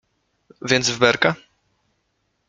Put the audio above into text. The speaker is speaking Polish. Więc w berka?